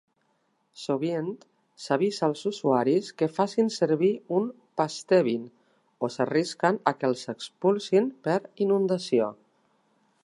Sovint s'avisa als usuaris que facin servir un "pastebin" o s'arrisquen a que els "expulsin" per "inundació".